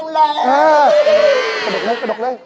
มาดอกเลย